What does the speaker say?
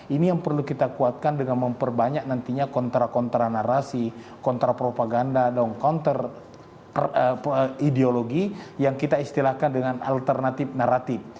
ini yang perlu kita kuatkan dengan memperbanyak nantinya kontra kontra narasi kontra propaganda dong kontra ideologi yang kita istilahkan dengan alternatif naratif